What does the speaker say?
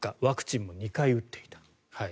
ワクチンも２回打っていた。